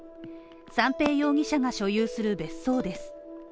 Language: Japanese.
三瓶容疑者が所有する別荘です。